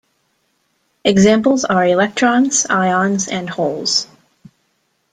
Examples are electrons, ions and holes.